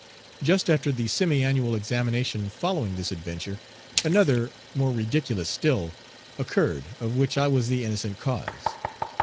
Just after the semiannual examination following this adventure, another, more ridiculous still, occurred, of which I was the innocent cause.